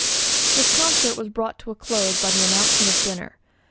This concert was brought to a close by the announcement of dinner.